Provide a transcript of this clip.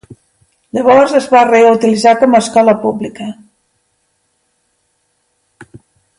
Llavors, es va reutilitzar com a escola pública.